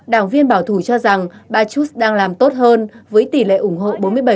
đảng viên bảo thủ cho rằng batouth đang làm tốt hơn với tỷ lệ ủng hộ bốn mươi bảy